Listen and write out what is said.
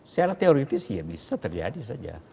secara teoritis ya bisa terjadi saja